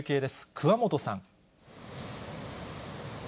桑本さん。